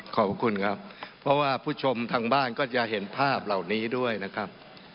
ขอบคุณครับเพราะว่าผู้ชมทางบ้านก็จะเห็นภาพเหล่านี้ด้วยนะครับ